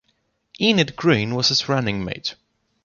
Enid Greene was his running mate.